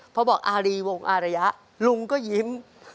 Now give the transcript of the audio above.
พอบอกอารีวงอารยะลุงก็ยิ้ม